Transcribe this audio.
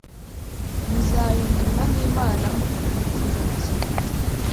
muzahindurwa nk’Imana, mukamenya icyiza n’ikibi